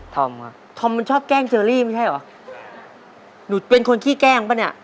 ครับธอมมันชอบแกล้งเชอรี่ไม่ใช่เหรอหนูเป็นคนขี้แกล้งป่ะเนี่ย